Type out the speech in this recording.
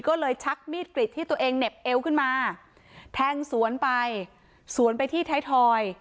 ก็เลยชักมีดกริดที่ตัวเองเหน็บเอวขึ้นมาแทงสวนไปสวนไปที่ไทยทอย